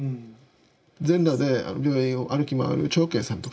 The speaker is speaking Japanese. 全裸で病院を歩き回るチョウケイさんとか。